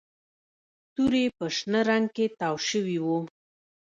توري په شنه رنګ کې تاو شوي وو